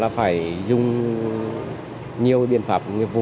phải dùng nhiều biện pháp nghiệp vụ